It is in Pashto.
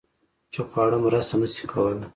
چې خواړه مرسته نشي کولی